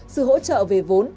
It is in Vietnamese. sự hỗ trợ về vốn